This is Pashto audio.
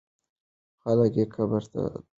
خلک یې قبر ته درناوی کوي.